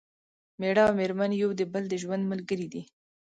مېړه او مېرمن یو د بل د ژوند ملګري دي